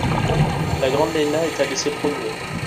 La grande Lena est allée se promener.